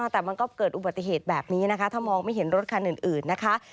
แต่มันก็เกิดอุบัติเหตุแบบนี้นะคะถ้ามองไม่เห็นรถคันอื่นนะคะ